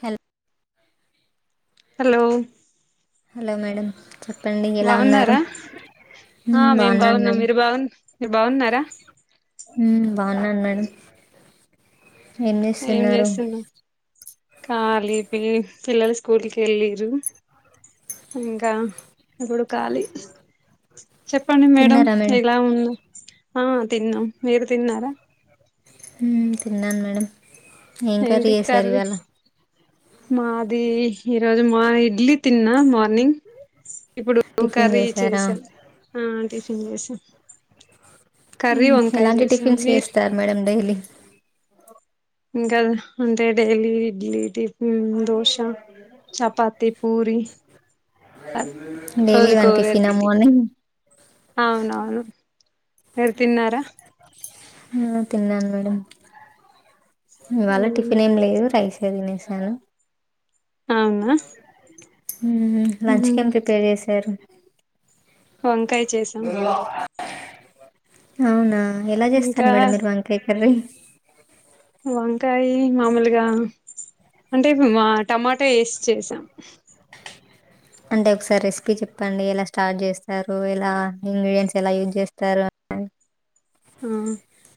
Hello hello hello madam చెప్పండి ఎలా ఉన్నారు బాగున్నారా ఆ మ్మ్ మేం బాగున్నాను బాగున్నాం మేడం మీరు బాగు మీరు బాగున్నారా హ్మ్ బాగున్నాను మేడం ఏం చేస్తున్నా కాలి పిల్లలు స్కూల్ కి వెళ్ళిరు ఇంకా ఎప్పుడు కాలి చెప్పండి మేడం ఇలా ఉన్న ఆ తిన్నాం మీరు తిన్నారా హ్మ్ తిన్నాను మేడం ఏం కర్రీ చేసారు ఇవాళ మాది ఈరోజు మా ఇడ్లీ తిన్నా మార్నింగ్ ఇప్పుడు టిఫిన్ కర్రీ చేశారా చేసాను ఆ టిఫిన్ చేసాం కర్రీ హ్మ్ వంకాయ ఎలాంటి చేసాం టిఫిన్స్ మీరు చేస్తారు మేడం డైలీ ఇకా అంతే daily idli tiffin dosa chapati puri daily రోజుకో వన్ టిఫిన్ వెరైటీ ఏమోని అవునవును మీర్ తిన్నారా హా తిన్నాను మేడమ్ ఇవాళ టిఫిన్ ఏం లేదు రైస్ తినేసాను అవునా హ్మ్ లంచ్కేం ప్రిపేర్ చేశారు వంకాయ చేసాం అవునా ఎలా చేస్తారు ఇంకా మేడం మీరు వంకయ్ కరీ వంకాయ మామలుగా అంటే మా టమాటా వేసి చేసాం అంటే ఒకసారి రెసిపీ చెప్పండి ఏలా స్టార్ట్ చేస్తారు ఇలా ఇంగ్రీడియన్ట్స్ ఎలా యూజ్ చేస్తారు అని ఆ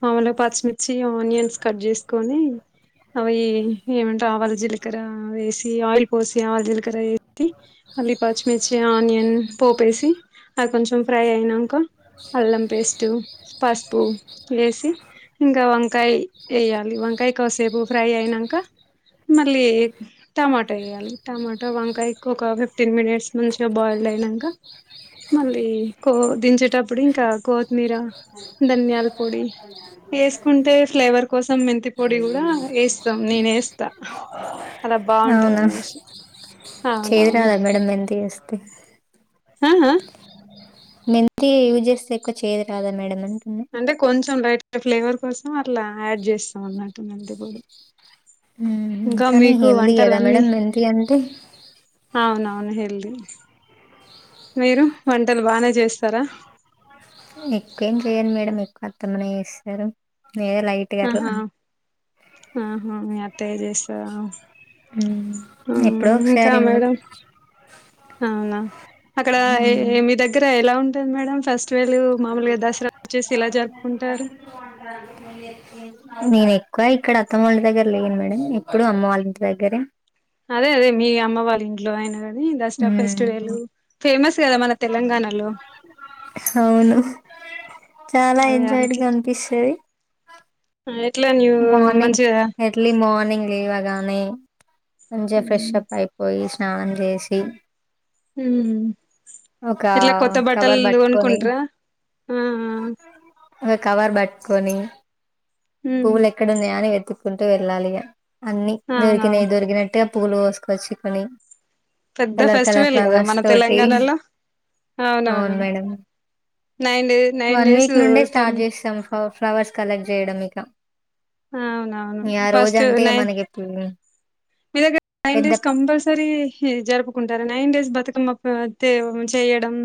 మాముూలుగా పచ్చిమిర్చి ఆనియన్స్ కట్ చేసుకొని అవి ఏమంటే ఆవల జీలకర వేసి ఆయిల్ పోసి ఆవల జీలకర వే మళ్ళీ పచ్చిమిర్చి ఆనియన్ పోపేసి అది కొంచెం ఫ్రై అయినా ఒక అల్లం పేస్ట్ పసుపు వేసి ఇంకా వంకాయ వేయాలి వంకాయ కాసేపు ఫ్రై అయినాక మళ్ళీ టమాటో వేయ్యాలి టమాటా వంకా ఎక్కువ ఒక ఫిఫ్టీన్ మినిట్స్ మంచిగా బాయిల్డ్ అయినాక మళ్ళీ కో దించేటప్పుడు ఇంకా కొత్మీర ధనియాల పొడి వేసుకుంటే ఫ్లేవర్ కోసం మెంతి పొడి కూడా వేస్తాం నేను వేస్త అలా బాగుంటదనేసి చేద్ రాదా మేడమ్ మెంతి వేస్తే హా హా మెంతి యూజ్ చేస్తే ఎక్కువ చేదు రాదా మేడ అంటే అంటే కొంచెం లైట్ ఫ్లేవర్ కోసం అట్లా యాడ్ చేస్తాం అన్నట్టు మెంతి పొడి మ్మ్. ఇంకా కానీ మీకు హెల్దీ కదా వంటలన్నీ మేడం మెంతి అంటే అవునవును హెల్ది మీరు వంటలు బానే చేస్తారా ఎక్కువ ఏం చెయ్యాను మేడం ఎక్కువ అత్త మనే చేస్తారు నేను లైట్ ఆహా ఆహా మీ అత్తయ చేస్తాద మ్మ్. ఆ ఎప్పుడో ఇంకా ఒకసారి మనం మేడం అవునా అక్కడ మ్మ్. ఏ మీ దగ్గర ఎలా ఉంటంది మేడం ఫెస్ట్వేల్ మామూలుగా దసరా వచ్చేసి ఎలా జరుపుకుంటారు నేను ఎక్కువ ఇక్కడ అత్తమ్మ వాళ్ళ దగ్గర లేను మేడం ఎప్పుడు అమ్మ వాళ్ళంటి దగ్గరే అదే అదే మీ అమ్మ వాళ్ళ ఇంట్లో అయిన కాని దసరా మ్మ్. ఫెస్టివల్ ఫేమస్ కదా మన తెలంగాణలో అవును చాలా అదే ఎంజాయడ్ గా అనిపిస్తది ఆ ఎట్లా మార్నింగ్ మంచిగా ఎర్లీ మార్నింగ్ లేవగానే మంచిగా ఫ్రెష అప్ అయిపోయి స్నానం చేసి ఉం ఒక ఎట్లా కొత్త కవర్ బట్టలు పట్టుకొని కొనుకుంటార ఆ ఒక కవర్ పట్టుకొని పువ్వులు ఎక్కడ ఉన్నాయా అని వెత్తుక్కుంటూ వెళ్ళాలి ఇగ అన్ని అవునవును దొరికినాయి దొరికిన ట్టే పులు కోసుకొచ్చి కొని పెద్ద కలర్ కలర్ ఫెస్టివల్ కదా ఫ్లవర్స్ మన తోటి తెలంగాణలో అవునవును అవును madam nine day nine one days week నుండే తొమ్ స్టార్ట్ చేసాం ఫ్లవ ఫ్లవర్స్ కలెక్ట్ చేయడం ఇక అవునవును ఇగ ఆ రోజు ఫస్ట్ అంటే ఇగ నై మనకి ఎప్పుడు మీ దగ్గర నైన్ డేస్ కంపల్సర జరుపుకుంటారు నైన్ డేస్ బతుకమ్మ తే చేయడం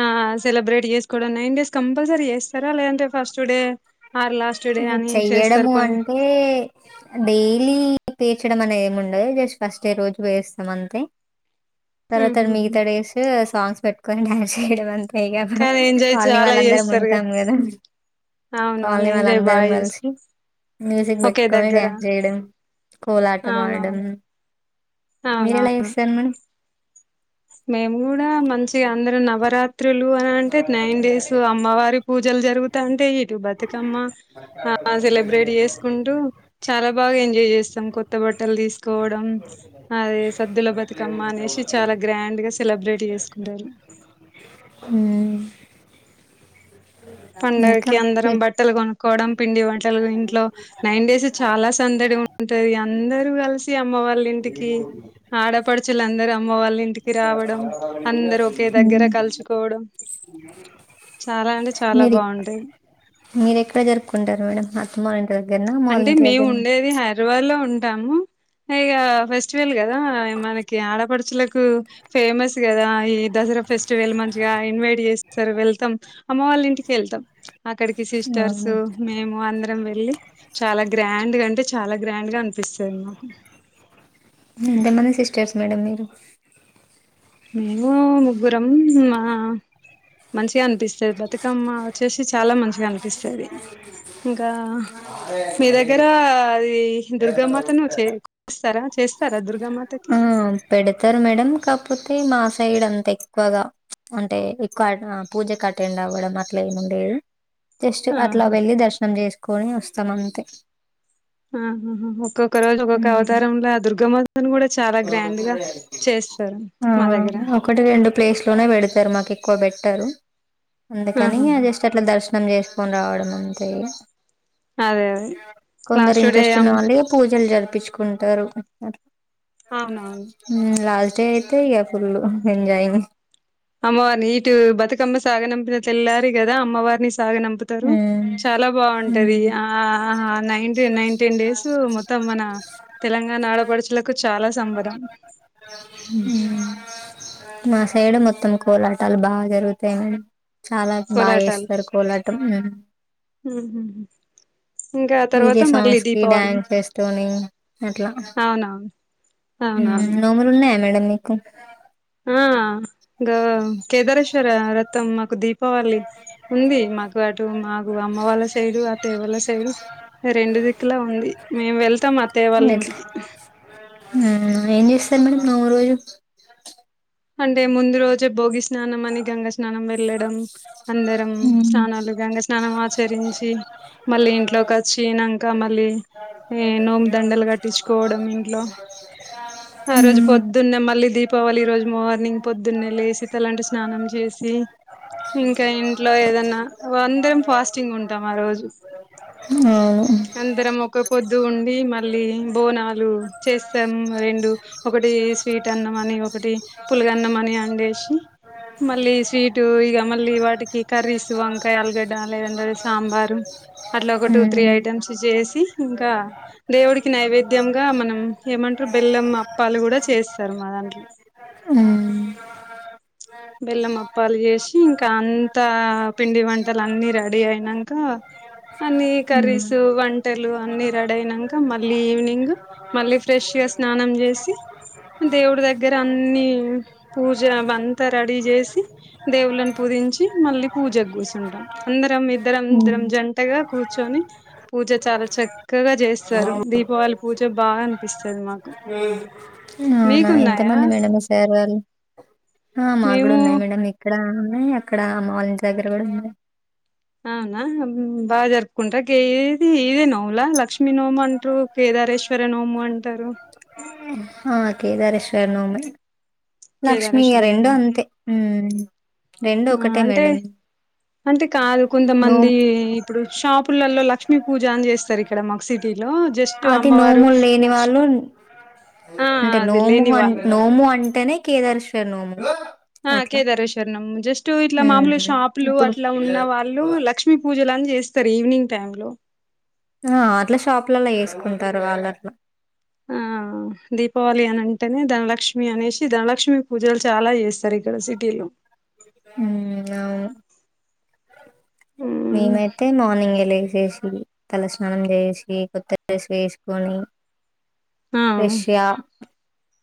ఆ సెలబ్రేట్ చేసుకోవడం నైన్ డేస్ కంపల్సరీ చేస్తారా లేదంటే first day or last day అని చేస్తారు కొన్ని ఉం డైలీ పేర్చడం అనేది ఏమి ఉండదు జస్ట్ ఫస్ట్ ఏ రోజు వేస్తాం అంతే తర్వాత హుహు. మిగతాడ డేస్ సాంగ్స్ పెట్టుకొని డాన్స్ చేయడం అంతా ఇగ కానీ ఎంజాయ్ కాలనీ చాలా వాళ్ళ అందరం చేస్తారుగా ఉంటాం కదా అవునవును కాలని వాళ్ళమ్ ఎంజాయ్ బాగా అందరం చేస్త కలిసి మ్యూజిక్ ఒకే పెట్టుకొని దగ్గర డ్యాన్స్ చేయడం కోలాటం ఆడడం అవునవును. మీరు అవునవును. ఎలా చేస్తారు మేడం మేము కూడా మంచిగా అందరం నవరాత్రులు అని అంటే నైన్ డేస్ అమ్మవారి పూజలు జరుగుతా అంటే ఇటు బతుకమ్మ ఆ సెలబ్రేట్ చేసుకుంటూ చాలా బాగా ఎంజాయ్ చేస్తాం కొత్త బట్టలు తీసు కోవడం అదే సద్దుల బతుకమ్మ అనేసి చాలా గ్రాండ్ గా సెలబ్రేట్ చేసుకుంటారు ఉం ఇంకా పండగకి అందరం ఏ- బట్టలు కొనుక్కోవడం పిండి వంటలు ఇంట్లో నైన్ డేస్ చాలా సందడి ఉంటది అందరు కలిసి అమ్మ వాళ్ళ ఇంటికి ఆడపడుచులు అందరూ అమ్మ వాళ్ళ ఇంటికి రావడం అందరు ఒకే దగ్గర మ్మ్. కలుచుకోవడం చాలా అంట మీరు మీరు ఎక్కడ జరుపుకుంటారు మేడం మాఇంటి దగ్గర్న అమ్మ వాళ్ళ ఇంటిదగ్గరన రువాలో ఉంటాము ఇక ఫెస్టివల్ కదా మనకి ఆడపడుచులకు ఫేమస్ కదా ఈ దసరా ఫెస్టివల్ మంచిగా ఇన్వైట్ చేస్తారు వెళ్తాం అమ్మ వాళ్ళ ఇంటికి వెళ్తాం అక్కడికి సిస్టర్స్ అవునా మేము అందరం వెళ్ళి చాలా గ్రాండ్గా అంటే చాలా గ్రాండ్గా అనిపిస్తది మాకు ఎంతమంది సిస్టర్స్ మేడం మీరు మేము ముగ్గురం మా మంచిగా అనిపిస్తది బతుకమ్మ వచ్చేసి చాలా మంచిగా అనిపిస్తది ఇంకా మీ దగ్గర అది దుర్గామాతను చే చేస్తారా చేస్తారా దుర్గామాతను తకి ఆ పెడతారు మేడం కాకపోతే మా సైడ్ అంత ఎక్కువగా అంటే ఎక్కువ పూజకు అటెండ్ అవ్వడం అట్లా ఏంలేదు జస్ట్ అట్లా ఆహా వెళ్లి దర్శనం చేసుకుని వస్తాం అంతే ఆ ఒక్కొక్క రోజు ఒక్కొక్క హ్మ్. అవతారంలో ఆ దుర్గమ్మ అని కూడా చాలా గ్రాండ్గా చేస్తారు ఆ మా దగ్గర ఒకటి రెండు ప్లేస్లోనే పెడతారు మాకు ఎక్కువ పెట్టారు అందుకని ఆహా అ జస్ట్ అట్ల దర్శనం చేసుకొని రావడం అంతే అదే అదే కొందరు లాస్ట్ డే ఇంట్రెస్ట్ ఉన్న అమ్ వాళ్ళు పూజలు జరిపించుకుంటారు అవునవును లాస్ట్డే అయితే ఈక ఫుల్ ఎంజాయ్ని అమ్మవారిని ఇటు బతుకమ్మ సాగనంపిన తెల్లారి కదా అమ్మవారిని సాగనంపుతారు ఉమ్ చాలా బాగుంటది ఆ ఉమ్ నై నైట్ టేన్ డేస్ మొత్తం మన తెలంగాణ ఆడపడుచులకు చాలా సంబరం మా సైడ్ మొత్తం కోలాటాలు బాగా జరుగుతాయి మేడం చాలా బాగా కోలాటాలు చేేస్తారు కోలాటం ఉహు ఇంకా ఆ తర్వాత డీజే మళ్ళీ సాంగ్స్ కి దీపావలి డాన్స్ చేస్తూనే అట్లా అవునవును అవునవును నోములున్నాయా మేడం మీకు ఆ గ కేదారేశ్వర వ్రతం మాకు దీపావళి ఉంది మాకు అటు మాకు అమ్మ వాళ్ళ సైడు అత్తయ్య వాళ్ళ సైడు రెండు దిక్కులా ఉంది మేము వెళ్తాం అత్తయ్య వాళ్ళ ఎట్లా ఇంటికి ఏం చేస్తారు మేడం నోములరోజు అంటే ముందు రోజే భోగి స్నానం అని గంగ స్నానం వెళ్ళడం అందరం మ్మ్. స్నానాలు గంగ స్నానం ఆచరించి మళ్ళీ ఇంట్లోకి వచ్చినంక మళ్ళీ ఈ నోము దండలు కట్టించుకోవడం ఇంట్లో ఆ రోజు మ్మ్. పొద్దు పొద్దున్నే మళ్ళీ దీపావళి రోజు మార్నింగ్ పొద్దున్నే లేసి తలాంటు స్నానం చేసి ఇంకా ఇంట్లో ఏదన్నా అందరం ఫాస్టింగ్ ఉంటాం ఆరోజు ఉమ్ అందరం ఒక పొద్దు ఉండి మళ్ళీ బోనాలు చేస్తాము రెండు ఒకటి స్వీట్ అన్నం అని ఒకటి పులగన్నం అని అండేసి మళ్ళీ స్వీటు ఇగ మళ్ళీ వాటికి కర్రీస్ వంకాయ ఆలుగడ్డ లేదంటే సాంబారు అట్లా ఒక టూ త్రీ మ్మ్. ఐటమ్స్ చేసి ఇంకా దేవుడికి నైవేద్యంగా మనం ఏమంటారు బెల్లం అప్పాలు కూడా చేస్తారు మా దాంట్లో ఉం బెల్లం అప్పాలు జేసి ఇంకా అంతా పిండి వంటలు అన్ని రెడీ అయినంక అన్ని మ్మ్. కర్రీసు వంటలు అన్ని రెడ అయినాక మళ్ళీ ఈవినింగ్ మళ్ళ ఫ్రెష్గా స్నానం చేసి దేవుడి దగ్గర అన్ని పూజ అంవంత రెడీ చేసి దేవుళ్లను పూజించి మళ్ళీ పూజకు గుసుంటం అందరం ఇద్దరం ఇద్దరం మ్మ్. జంటగా కూర్చొని పూజ చాలా చక్కగా చేస్తారు దీపావళి పూజ బాగాని పిస్తది మాకు అ అవున మీకున్నాయా ఎంతమంది మేడం మి సారు వాళ్ళు ఆ మా కూడా మేము ఉన్నాయి మేడం ఇక్కడ ఉన్నాయి అక్కడ అమ్మ వాళ్ళు ఇంటి దగ్గర కూడా ఉన్నాయి అవునా బాగా జరుకుంట్ర గే ఏ ది ఇదే నోముల లక్ష్మీ నోము మంట్రు కేదారష్ సరే నోము అంటారు ఆ కేద రేశు నోమె లక్ష్మీ ఇగా కేదారేశ్వర రెండు నోము అంతే ఉ రెండు ఆ! ఒకటే అంటే మేడం అంటే కాదు నోమ్ కొంతమంది ఇప్పుడు షాపులలో లక్ష్మీ పూజ అని చేస్తారు ఇక్కడ మాకు సిటీలో జస్ట్ అది అమ్మవారు నోములు లేని లక్ష్మి వాళ్ళు ఆ అంటే అది నోము లేని అంట వాళ్ళు నోము అంటేనే కేదార్శ్వర నోము ఆ అట్లా కేదారేశ్వరణం జస్ట్ ఇట్లా మామూలు ఉమ్ షాపులు ఇప్పుడు అట్లా ఉన్న వాళ్ళు ల లక్ష్మి పూజలు అ చేస్తారు ఈవినింగ్ టైమ్ లో ఆ అట్లా షాప్లలా వేసుకుంటారు వాళ్ళు అట్లా ఆ దీపావళి అని అంటేనే ధనలక్ష్మి అనేసి ధనలక్ష్మి పూజలు చాలా చేస్తారు ఇక్కడ సిటీలో ఉ అవును హ్మ్. మేమైతే మార్నింగ్ లేసి ఏసినం తల స్నానం చేసి కొత్త డ్రెస్ వేసుకొని ఆ ఫ్రెష్ గా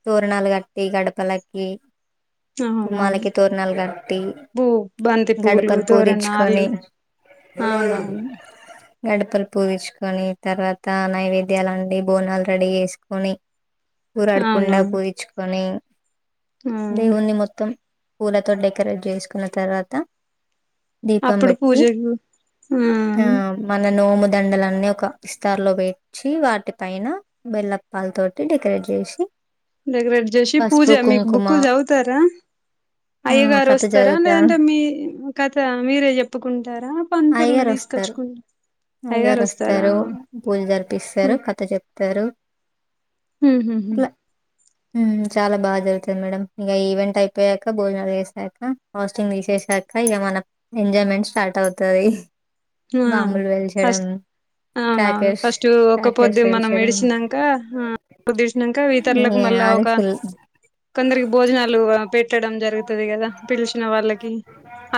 తోరణాలు కట్టి గడపలకి అవునవును గుమాలకి తోరునాలు గ పూ బంతి పూలు తోరణళు పూదించుకొని అవునవును గడపలు పూగచ్చుకొని తర్వాత నైవేద్యాలండి బోనాలు రెడీ చేసుకొని పూరాడకుండా అవునవును పూరిచ్చుకొని ఆ దేవుణణి మొత్తం పూలతోటె డె డెకరేట్ చేసుకున్న తర్వాత దీపం అప్పుడు బెట్టి పూజకు ఆ అ మన నోము దండలన్నీ ఒక విస్తార్ లో పెట్ వచ్చి వాటి పైన బెల్లప్పాల తోటి డెకరేట్ చేసి డెగరేట్ చేసి పూజ పసుపు మీకు కుంకుమ బుక్కు చదువుతారా ఆ అయ్య గారు కథ వస్త స్తారా చదువుతా లేదంటే మీ కథ మీరే చెప్పుకుంటారా పంతులన్ని అయ్యగారు వస్తారు తీసుకొచ్చుకుంట అయ్యగారు వస్తారు పూజ జరిపిస్తారు కథ చెప్తారు ఉహు ఉం చాలా బాగా జరుగుతుంది మేడమ్ ఇక ఈవెంట్ అయిపోయాక భోజనాలు వేసాక హ పాస్టింగ్ తీసేసాక ఇక మన ఎంజాయ్మెంట్ స్టార్ట్ అవుతది ఆ బాంబు లు పెల్చడం ఫస్ట్ అవునవును ఫస్ట్ ఒక పొద్దు మనం పేల్చడం విడిచినంక ఉదేశినాక ఇతరులకు యాహ్! మళ్ళా అది ఒకా ఫుల్ కొందరికి భోజనాలు ఆ పెట్టడం జరుగుతది కదా పిలిచిన వాళ్ళకి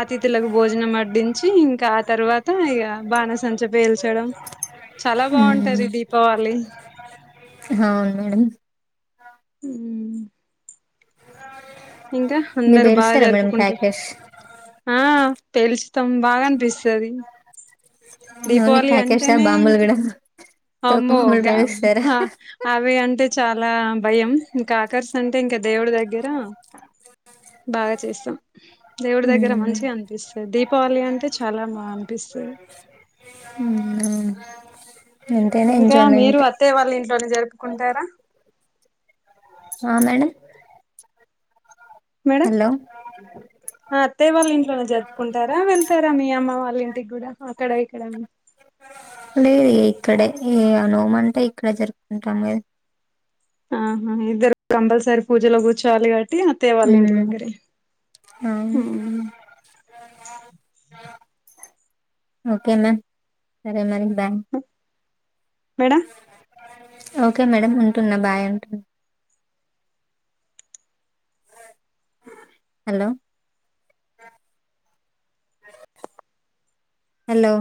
అతిథులకు భోజనం అడ్డించి ఇంకా ఆ తర్వాత్ త ఇక బాణసంచ పేల్చడం చాలా బాగుంటది హ్మ్. దీపావళి అవును మేడం ఉమ్ ఇంకా మీరు అందరు బాగా పేలుస్తారా మేడం జరుపుకుంటార్ క్రాకర్స్? ఆ పేలుచుతాం బాగనిపిస్తది ఓన్లీ దీపావళి క్రాకర్సా? అంటేనే బాంబులు ఇంకా గూడా తోపు అమో బాంబులు గామ్ పేలుస్తారా? హా అవి అంటే చాలా భయం ఇంకా క్రాకర్స్ అంటే ఇంకా దేవుడి దగ్గర బాగా చేస్తాం దేవుడి దగ్గర హ్మ్. మంచిగా అనిపిస్తది దీపావళి అంటే చాలా బా అనిపిస్తది ఉమ్ హూ ఇంకా మీరు అత్తయ్య వాళ్ళ ఇంట్లోనే జరుపుకుంటారా ఆ మేడం మేడం హలో. అత్తయ్య వాళ్ళ ఇంట్లోనే జరుపుకుంటారా వేల్ ళ్తారా మీ అమ్మ వాళ్ళ ఇంటికి కూడా అక్కడ ఇక్కడ లేదు ఇక్కడే ఏ నోమ అంతా ఇక్కడే జరుపుకుంటాం ఆహా ఇద్దరు కంపల్సరీ పూజలో కూర్చోవాలి కాబట్టి అత్తయ్య వాళ్ళ ఇంటి హ్మ్. దగ్గరే ఉమ్ ఓకే మ్యామ్ సరే మరి బాయ్ మేడం ఓకే మేడం ఉంటున్నా బాయ్ అంటూనా హలో హలో